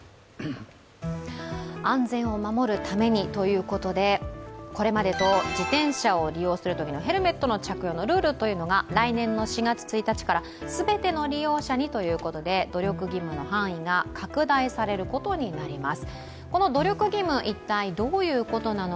安全を守るためにということで、これまでと自転車を利用するときのヘルメットの着用のルールが来年の４月１日から全ての利用者にということで努力義務の範囲が拡大されることになります。